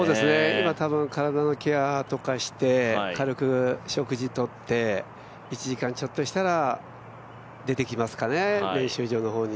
今、たぶん体のケアとかして軽く食事をとって１時間ちょっとしたら出てきますかね、練習場の方に。